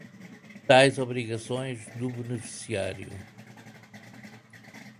tais obrigações do beneficiário.